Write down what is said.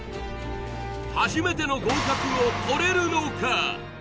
初めての合格をとれるのか？